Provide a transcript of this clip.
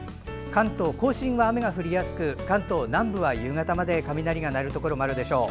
関東・甲信は雨が降りやすく関東南部は夕方まで雷が鳴るところもあるでしょう。